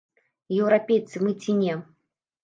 Еўрапейцы мы ці не?